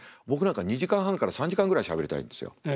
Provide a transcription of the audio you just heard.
僕なんか２時間半から３時間ぐらいしゃべりたいんですよ